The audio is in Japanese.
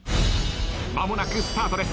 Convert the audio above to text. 間もなくスタートです。